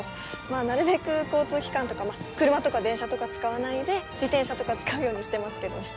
まあなるべく交通機関とか車とか電車とか使わないで自転車とか使うようにしてますけどね。